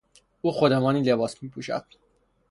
او خودمانی لباس میپوشد.